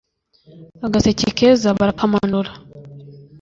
agaseke keza barakamanura